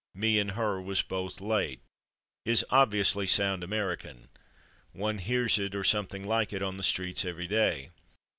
"/Me/ and /her/ was both late" is obviously sound American; one hears it, or something like it, on the streets every day.